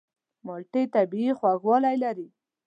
مالټې طبیعي خوږوالی لري.